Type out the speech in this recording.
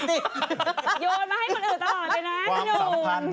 โยนมาให้คนอื่นตลอดเลยนะ